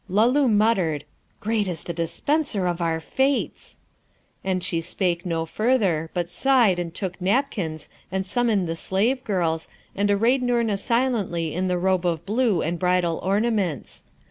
Luloo muttered, 'Great is the Dispenser of our fates!' And she spake no further, but sighed and took napkins and summoned the slave girls, and arrayed Noorna silently in the robe of blue and bridal ornaments.